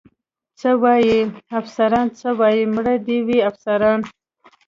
څه وایي؟ افسر څه وایي؟ مړه دې وي افسران.